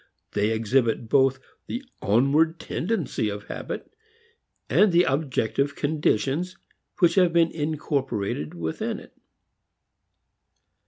They exhibit both the onward tendency of habit and the objective conditions which have been incorporated within it.